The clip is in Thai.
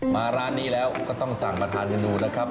มาร้านนี้แล้วก็ต้องสั่งมาทานกันดูนะครับ